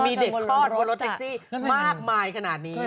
มีเด็กคลอดบนรถแท็กซี่มากมายขนาดนี้